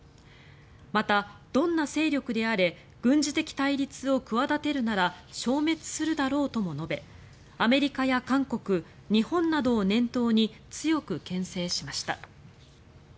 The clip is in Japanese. また、どんな勢力であれ軍事的対立を企てるなら消滅するだろうとも述べアメリカや韓国、日本などを念頭に強くけん制しました。